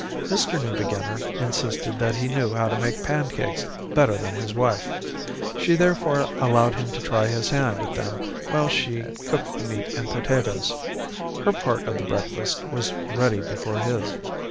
Mr. Newbeginner insisted that he knew how to make pancakes better than his wife. She therefore allowed him to try his hand at them while she cooked the meat and potatoes. Her part of the breakfast was ready before his.